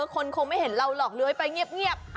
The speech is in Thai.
คนคงไม่เห็นเราหรอกเลื้อยไปเงียบ